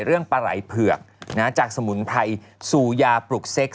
เรื่องปะไหลเผือกจากสมุนไพรสูยาปลุกเซ็กซ์